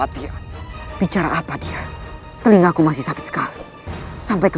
aku harus mengeluarkan penelusur vika